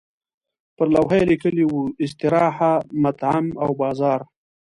پر لوحه یې لیکلي وو استراحه، مطعم او بازار.